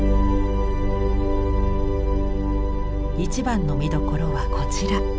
一番の見どころはこちら。